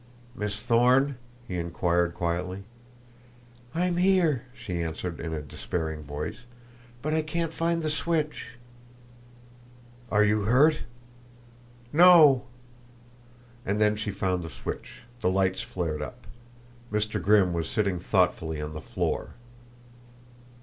"Miss Thorne?" he inquired quietly. "I'm here," she answered in a despairing voice. "But I can't find the switch." "Are you hurt?" "No." And then she found the switch; the lights flared up. Mr. Grimm was sitting thoughtfully on the floor.